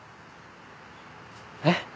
えっ？